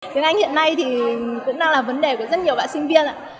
tiếng anh hiện nay thì cũng đang là vấn đề của rất nhiều bạn sinh viên ạ